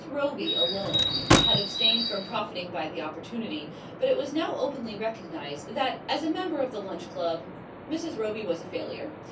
Roby alone had abstained from profiting by the opportunity; but it was now openly recognised that, as a member of the Lunch Club, Mrs. Roby was a failure.